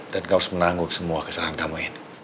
dan kamu harus menangguh semua kesalahan kamu ini